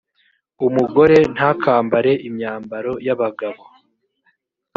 umugore ntakambare imyambaro y’abagabo;